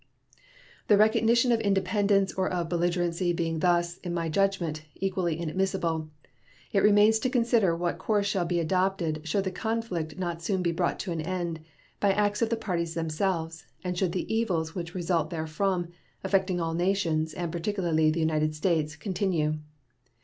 The recognition of independence or of belligerency being thus, in my judgment, equally inadmissible, it remains to consider what course shall be adopted should the conflict not soon be brought to an end by acts of the parties themselves, and should the evils which result therefrom, affecting all nations, and particularly the United States, continue.